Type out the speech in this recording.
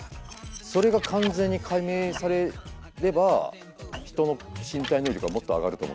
それが完全に解明されれば人の身体能力がもっと上がると思ってるんですよ。